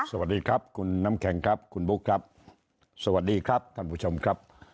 สวัสดีครับคุณน้ำแข็งครับคุณบุ๊คครับสวัสดีครับท่านผู้ชมครับ